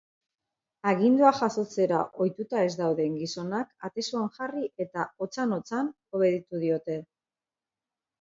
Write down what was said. Aginduak jasotzera ohituta ez dauden gizonak atezuan jarri eta otzan-otzan obeditu diote.